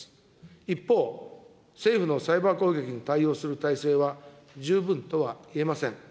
一方、政府のサイバー攻撃に対応する体制は十分とは言えません。